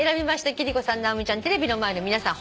貴理子さん直美ちゃんテレビの前の皆さん